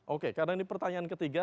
oke karena ini pertanyaan ketiga